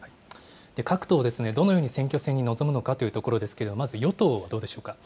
各党ですね、どのように選挙戦に臨むのかというところですけれども、まず与党、どうでしょうか。